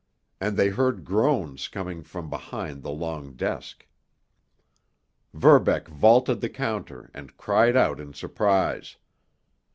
And they heard groans coming from behind the long desk. Verbeck vaulted the counter, and cried out in surprise.